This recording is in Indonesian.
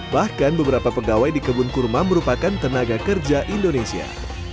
bahkan beberapa pegawai di kebun kurma merupakan tenaga kerja indonesia